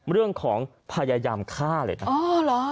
เรื่องของพยายามฆ่าเลยน่ะ